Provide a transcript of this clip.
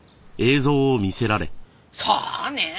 さあねえ。